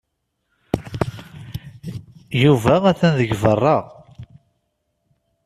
Yuba atan deg beṛṛa.